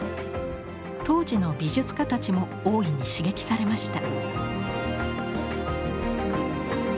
当時の美術家たちも大いに刺激されました。